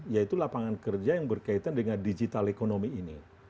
yaitu lapangan kerja yang berkaitan dengan digital ekonomi ini